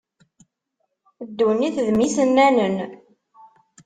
Ddunit, d mm isennanen.